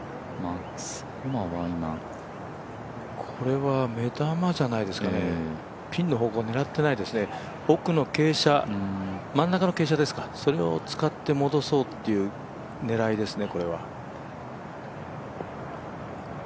これは目玉じゃないですかねピンの方向狙ってないですね、奥の傾斜、真ん中の傾斜を使って戻そうという狙いですね。